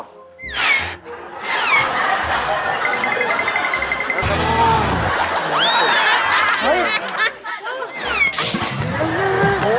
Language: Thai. พัดลมโอ้โฮ